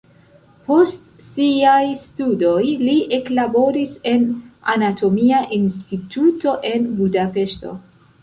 Post siaj studoj li eklaboris en anatomia instituto en Budapeŝto.